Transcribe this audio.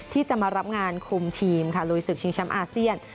ที่จะมารับงานคุมทีมค่ะลุยศึกชิงแชมป์อาเซียน